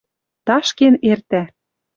ташкен эртӓ